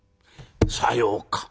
「さようか。